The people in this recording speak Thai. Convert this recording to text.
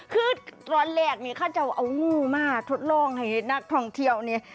คือตอนแรกนี่เขาจะเอางูมาทดลองให้นักท่องเที่ยวเนี่ย